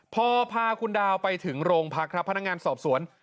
พอพาคุณดาวไปถึงโรงพักครับพนักงานสอบสวน